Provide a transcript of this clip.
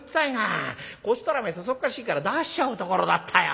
こちとらおめえそそっかしいから出しちゃうところだったよ。